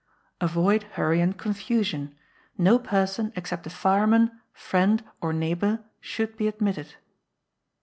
Avoid hurry and confusion; no person except a fireman, friend, or neighbour, should be admitted.